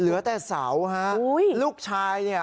เหลือแต่เสาฮะลูกชายเนี่ย